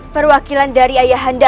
perwakilan dari ayahanda